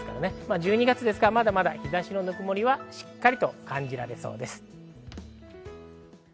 １２月ですからまだまだ日差しのぬくもりはしっかり感じられそうです。